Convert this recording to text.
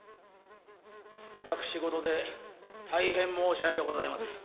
「私ごとで大変申し訳ございません」